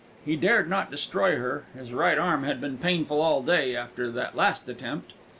He dared not destroy her; his right arm had been painful all day after that last attempt.